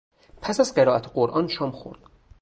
پس از قرائت قرآن شام خورد.